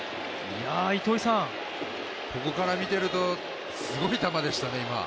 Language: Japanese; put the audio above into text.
ここから見ているとすごい球でしたね、今。